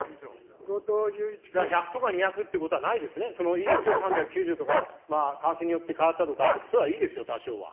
じゃ、１００とか２００ということはないですね、いいですよ、３９０とか、為替によって変わったとか、それはいいですよ、多少は。